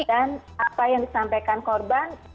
dan apa yang disampaikan korban